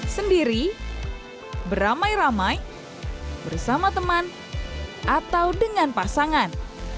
sendiri beramai ramai bersama teman atau dengan pasangan